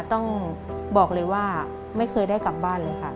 ต้องบอกเลยว่าไม่เคยได้กลับบ้านเลยค่ะ